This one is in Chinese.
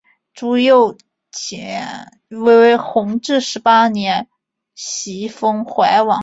朱佑棨于弘治十八年袭封淮王。